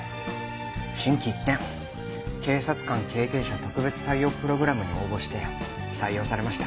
心機一転警察官経験者特別採用プログラムに応募して採用されました。